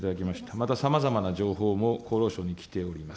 またさまざまな情報も厚労省に来ております。